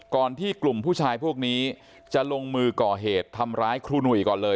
ก่อนที่กลุ่มผู้ชายพวกนี้จะลงมือก่อเหตุทำร้ายครูหนุ่ยก่อนเลย